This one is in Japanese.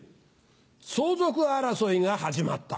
相続争いが始まった。